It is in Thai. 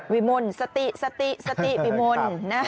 วิมุลสติสติสติวิมุล